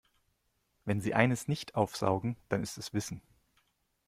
Wenn sie eines nicht aufsaugen, dann ist es Wissen.